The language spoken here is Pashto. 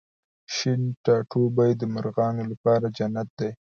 شین ټاټوبی د مرغانو لپاره جنت دی